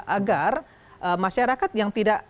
agar masyarakat yang tidak